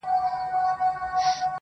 ډبرینه یې قلا لیري له ښاره-